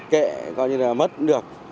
kệ coi như là mất cũng được